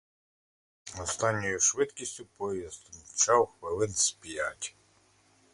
Останньою швидкістю поїзд мчав хвилин з п'ять.